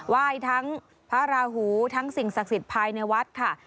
ไหว้ทั้งพระราหูทั้งสิ่งศักดิ์สิทธิ์ภายในวัดค่ะ